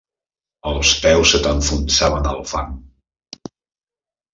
Els peus se t'enfonsaven en el fang